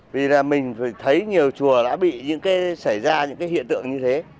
vì là mình thấy nhiều chùa đã bị những cái xảy ra những cái hiện tượng như thế